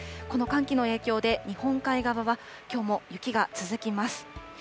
この寒気の影響で、日本海側はきょうも雪が続きます。